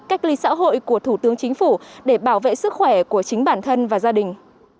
cách ly xã hội của thủ tướng chính phủ để bảo vệ sức khỏe của chính bản thân và gia đình